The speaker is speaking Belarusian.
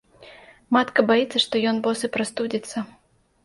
Матка баіцца, што ён босы прастудзіцца.